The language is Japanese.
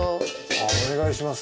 あっお願いします。